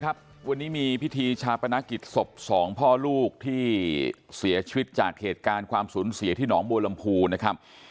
ครับวันนี้มีพิธีชาปนกิจศพสองพ่อลูกที่เสียชีวิตจากเหตุการณ์ความสูญเสียที่หนองบัวลำพูนะครับ